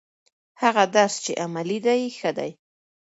هغه درس چې عملي دی ښه دی.